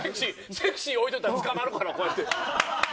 セクシー置いといたら捕まるからって。